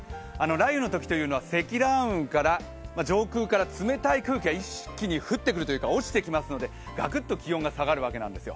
雷雨のときというのは、積乱雲から上空から冷たい空気が降ってくるというか一気に落ちてきますので、ガクッと気温が下がるわけなんですよ。